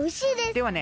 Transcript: ではね